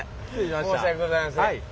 申し訳ございません。